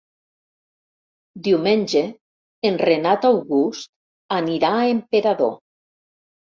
Diumenge en Renat August anirà a Emperador.